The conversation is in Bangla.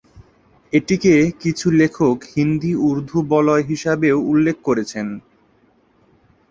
এটিকে কিছু লেখক হিন্দি-উর্দু বলয় হিসাবেও উল্লেখ করেছেন।